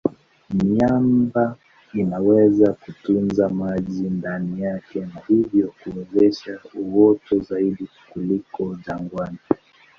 Miamba inaweza kutunza maji ndani yake na hivyo kuwezesha uoto zaidi kuliko jangwani.